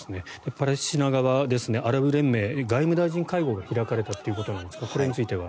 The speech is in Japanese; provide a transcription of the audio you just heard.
パレスチナ側はアラブ連盟、外務大臣会合が開かれたということなんですがこれについては？